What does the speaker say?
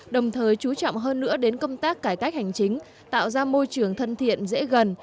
đồng thời chú trọng hơn nữa đến công tác cải cách hành chính tạo ra môi trường thân thiện dễ gần